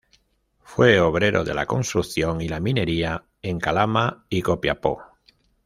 Fue obrero de la construcción y la minería en Calama y Copiapó.